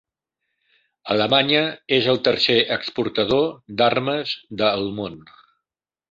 Alemanya és el tercer exportador d'armes de el món.